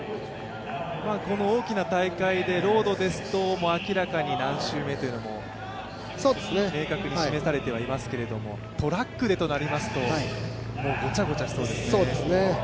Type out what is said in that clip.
大きな大会でロードですと明らかに何周目というのも明確に示されてはいますけどトラックでとなりますと、ごちゃごちゃしそうですね。